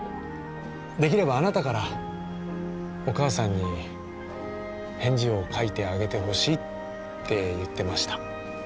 できればあなたからお母さんに返事を書いてあげてほしいって言ってました。